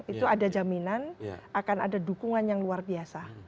itu ada jaminan akan ada dukungan yang luar biasa